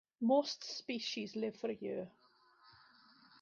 Most species live for a year.